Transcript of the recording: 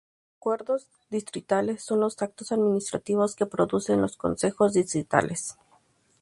Los acuerdos distritales son los actos administrativos que producen los concejos distritales.